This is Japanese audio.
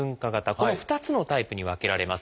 この２つのタイプに分けられます。